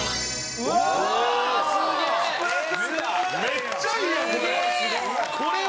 めっちゃいいやんこれ！